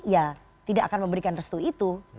ya tidak akan memberikan restu itu